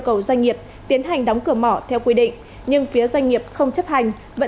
cầu doanh nghiệp tiến hành đóng cửa mỏ theo quy định nhưng phía doanh nghiệp không chấp hành vẫn